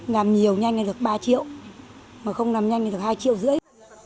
làm nhiều nhanh là được ba triệu mà không làm nhanh là được hai triệu rưỡi